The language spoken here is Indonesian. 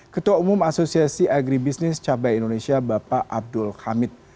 ketua umum asosiasi agribisnis cabai indonesia bapak abdul hamid